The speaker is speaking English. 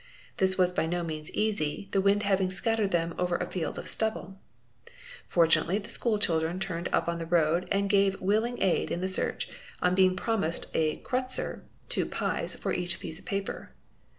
This was by no means easy, the wind having scattered them over a field of stubble. Fortunately the school children turned up on the road and gave willing aid in the search on being promised a kreutzer (2 pies) for each piece of paper.